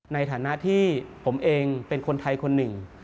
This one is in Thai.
ในฐานะที่ผมเองเป็นคนไทยคนหนึ่ง